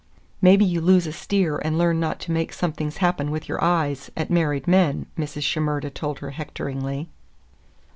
"Maybe you lose a steer and learn not to make somethings with your eyes at married men," Mrs. Shimerda told her hectoringly.